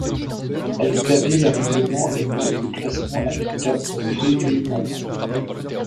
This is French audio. Elle établit les règlements et modes de classements applicables dans tous les pays membres.